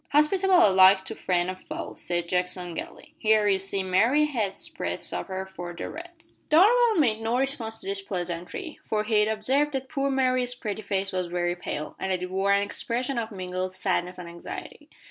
"Hospitable alike to friend and foe," said Jackson gaily. "Here, you see, Mary has spread supper for the Reds!" Darvall made no response to this pleasantry, for he observed that poor Mary's pretty face was very pale, and that it wore an expression of mingled sadness and anxiety.